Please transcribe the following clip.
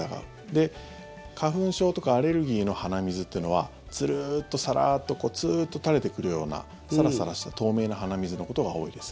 で、花粉症とかアレルギーの鼻水というのはツルーッと、サラーッとツーッと垂れてくるようなサラサラした透明な鼻水のことが多いです。